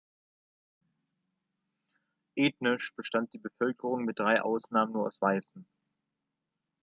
Ethnisch bestand die Bevölkerung mit drei Ausnahmen nur aus Weißen.